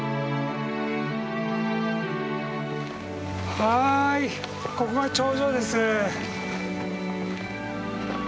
はいここが頂上です。